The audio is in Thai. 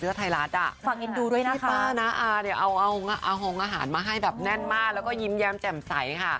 เอาของกินมาให้